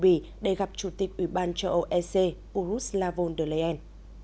mỹ để gặp chủ tịch ủy ban châu âu ec ursula von der leyen